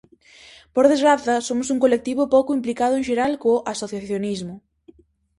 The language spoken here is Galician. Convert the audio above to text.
Por desgraza, somos un colectivo pouco implicado en xeral co asociacionismo.